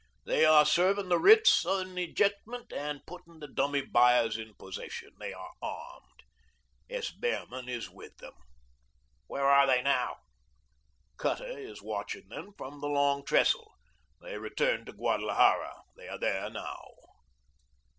They are serving the writs in ejectment and putting the dummy buyers in possession. They are armed. S. Behrman is with them." "Where are they now?" "Cutter is watching them from the Long Trestle. They returned to Guadalajara. They are there now."